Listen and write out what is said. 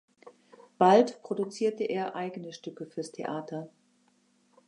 Bald produzierte er eigene Stücke fürs Theater.